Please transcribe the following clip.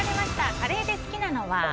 カレーで好きなのは？